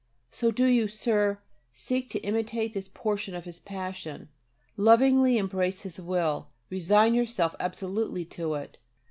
So do you, Sir, seek to imitate this portion of His Passion. Lovingly embrace His will. Resign yourself absolutely to it.